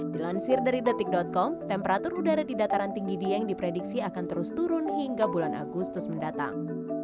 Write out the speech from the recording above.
dilansir dari detik com temperatur udara di dataran tinggi dieng diprediksi akan terus turun hingga bulan agustus mendatang